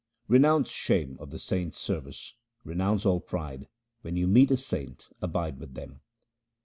Renounce shame of the saints' service ; renounce all pride ; when you meet a saint abide with him.